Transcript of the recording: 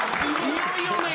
いよいよね。